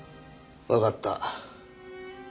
わかった。